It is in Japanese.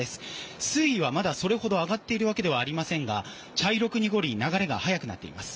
水位はまだそれほど上がっているわけではありませんが茶色く濁り流れが速くなっています。